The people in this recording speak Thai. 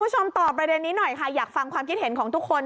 ตอบประเด็นนี้หน่อยค่ะอยากฟังความคิดเห็นของทุกคน